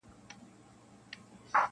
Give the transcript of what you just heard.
• زه دا نه وایم چي -